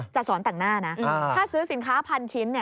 จะสอนแต่งหน้านะถ้าซื้อสินค้าพันชิ้นเนี่ย